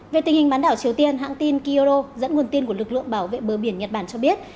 về tình hình bán đảo triều tiên hãng tin kyodo dẫn nguồn tin của lực lượng bảo vệ bờ biển nhật bản cho biết